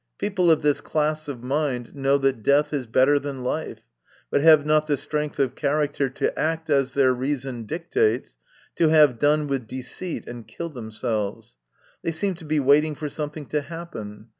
People of this class of mind know that death is better than life, but have not the strength of character to act as their reason dictates, to have done with deceit and kill themselves ; they seem to be waiting for some thing to happen.